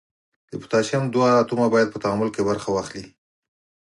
د پوتاشیم دوه اتومه باید په تعامل کې برخه واخلي.